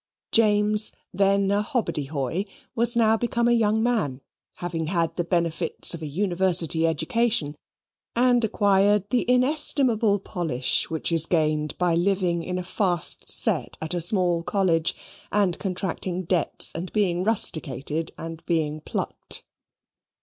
James, then a hobbadehoy, was now become a young man, having had the benefits of a university education, and acquired the inestimable polish which is gained by living in a fast set at a small college, and contracting debts, and being rusticated, and being plucked.